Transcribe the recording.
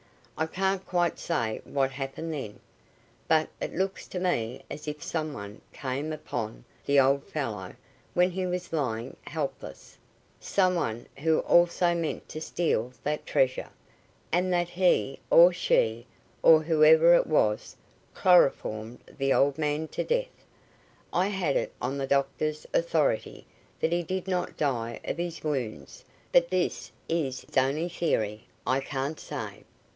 I can't quite say what happened then, but it looks to me as if some one came upon the old fellow when he was lying helpless some one who also meant to steal that treasure and that he, or she, or whoever it was, chloroformed the old man to death. I had it on the doctor's authority that he did not die of his wounds; but this is only theory. I can't say."